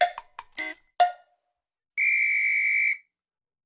ピッ！